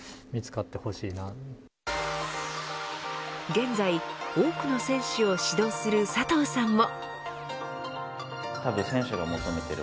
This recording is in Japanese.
現在、多くの選手を指導する佐藤さんも。